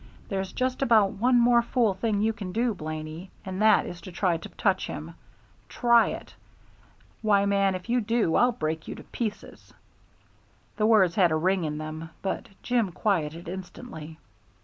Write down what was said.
There's just about one more fool thing you can do, Blaney, and that is try to touch him. Try it! Why, man, if you do I'll break you to pieces." The words had a ring in them, but Jim quieted instantly.